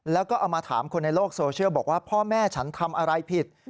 แล้วก็เอามาถามคนในโลกโซเชียลบอกว่าพ่อแม่ฉันทำอะไรผิด